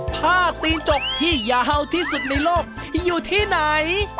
ตีนจกที่ยาวที่สุดในโลกอยู่ที่ไหน